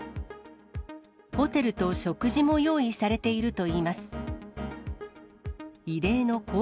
ホテルと食事も用意されているといいます。